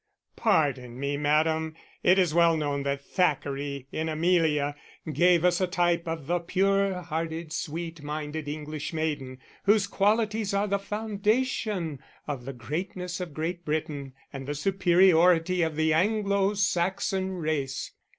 _"Pardon me, Madam, it is well known that Thackeray, in Amelia, gave us a type of the pure hearted, sweet minded English maiden, whose qualities are the foundation of the greatness of Great Britain, and the superiority of the Anglo Saxon race."